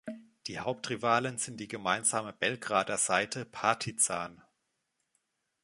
Die Hauptrivalen sind die gemeinsame Belgrader-Seite Partizan.